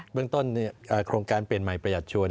เรื่องต้นโครงการเปลี่ยนใหม่ประหยัดชวน